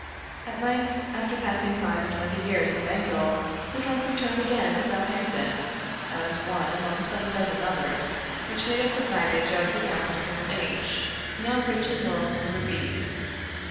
At length, after passing five and twenty years in Bengal, the trunk returned again to Southampton, as one among some dozen others which made up the baggage of the gallant Colonel H , now rich in laurels and rupees.